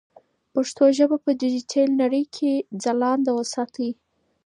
پښتو ژبه په ډیجیټل نړۍ کې ځلانده وساتئ.